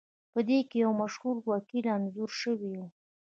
پدې کې یو مشهور وکیل انځور شوی و